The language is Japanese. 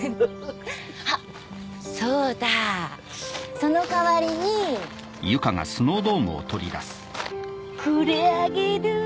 あっそうだその代わりにこれあげる！